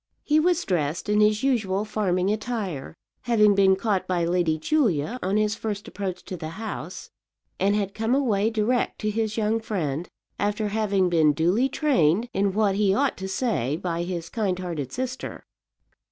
He was dressed in his usual farming attire, having been caught by Lady Julia on his first approach to the house, and had come away direct to his young friend, after having been duly trained in what he ought to say by his kind hearted sister.